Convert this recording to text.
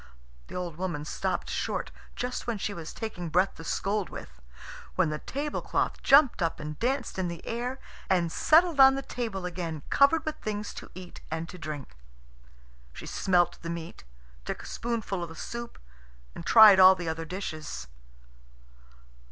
The old woman stopped short, just when she was taking breath to scold with, when the tablecloth jumped up and danced in the air and settled on the table again, covered with things to eat and to drink. She smelt the meat, took a spoonful of the soup, and tried all the other dishes.